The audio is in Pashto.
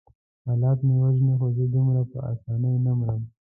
حالات مې وژني خو زه دومره په آسانۍ نه مرم.